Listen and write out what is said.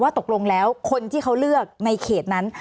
ตกลงแล้วคนที่เขาเลือกในเขตนั้น